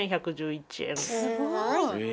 すごい！